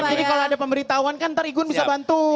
jadi kalau ada pemberitahuan kan nanti igun bisa bantuin